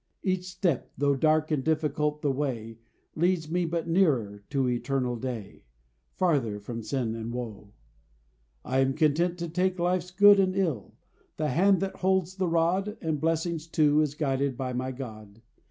Each step, though dark and difficult the way, Leads me but nearer to eternal day Farther from sin and woe. I am content to take Life's good and ill: the hand that holds the rod, And blessings too, is guided by my God.